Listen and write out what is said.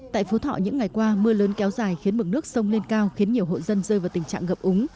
tại phú thọ những ngày qua mưa lớn kéo dài khiến mực nước sông lên cao khiến nhiều hộ dân rơi vào tình trạng ngập úng